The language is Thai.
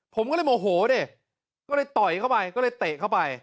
ผมก็เลยโมโหดิก็เลยต่อยเข้าไปก็เลยเตะเข้าไป